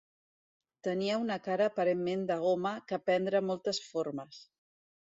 Tenia una cara aparentment de goma que prendre moltes formes.